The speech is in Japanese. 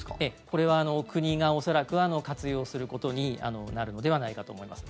これは国が恐らく活用することになるのではないかと思います。